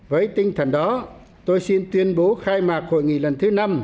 với tinh thần đó tôi xin tuyên bố khai mạc hội nghị lần thứ năm